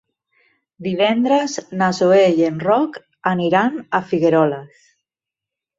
Divendres na Zoè i en Roc aniran a Figueroles.